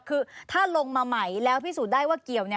คือถ้าลงมาใหม่แล้วพิสูจน์ได้ว่าเกี่ยว